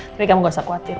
jadi kamu gak usah khawatir